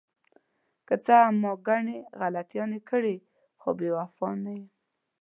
که څه هم ما ګڼې غلطیانې کړې، خو بې وفا نه یم.